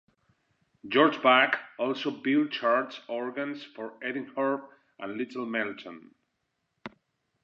George Buck also built church organs for Edingthorpe and Little Melton.